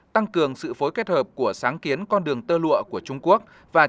tăng cường sự phối kết hợp của sáng kiến con đường tơ lụa của trung quốc và